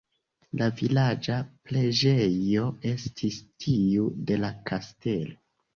La vilaĝa preĝejo estis tiu de la kastelo.